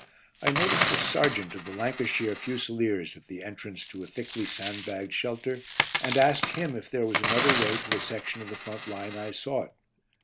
I noticed a sergeant of the Lancashire Fusiliers at the entrance to a thickly sand bagged shelter, and asked him if there was another way to the section of the front line I sought.